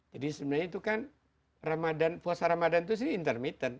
jadi sebenarnya itu kan puasa ramadhan itu sih intermittent